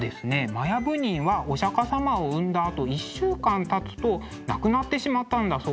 摩耶夫人はお釈様を産んだあと１週間たつと亡くなってしまったんだそうです。